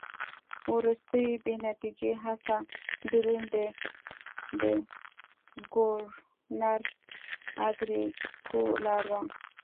وروستۍ بې نتیجې هڅه د روم د ګورنر اګریکولا وه